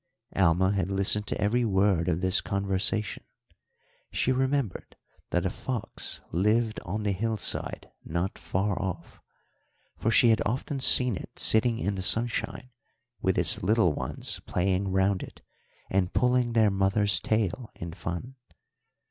"Alma had listened to every word of this conversation. She remembered that a fox lived on the hillside not far off; for she had often seen it sitting in the sunshine with its little ones playing round it and pulling their mother's tail in fun.